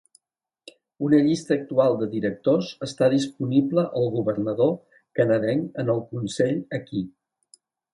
Una llista actual de directors està disponible al governador canadenc en el Consell aquí.